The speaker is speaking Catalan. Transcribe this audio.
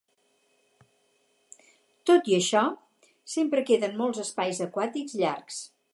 Tot i això, sempre queden molts espais aquàtics llargs.